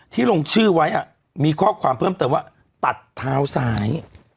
ลงชื่อไว้มีข้อความเพิ่มเติมว่าตัดเท้าซ้าย